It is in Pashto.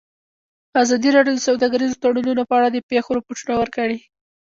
ازادي راډیو د سوداګریز تړونونه په اړه د پېښو رپوټونه ورکړي.